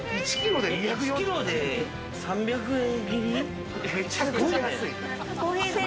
１ｋｇで３００円切り。